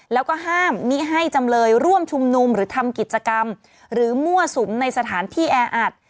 แล้วก็ห้ามมิให้จำเลยร่วมชุมนุมหรือทำกิจกรรมหรือมั่วสุมในสถานที่แออัด